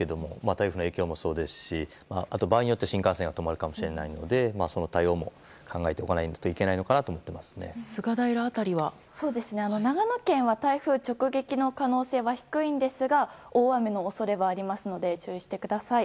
台風の影響もそうですし場合によっては新幹線が止まるかもしれないのでその対応も長野県は台風直撃の可能性は低いんですが大雨の恐れはありますので注意してください。